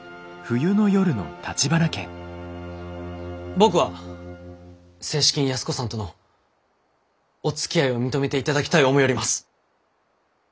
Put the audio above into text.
僕は正式に安子さんとのおつきあいを認めていただきたい思ようります。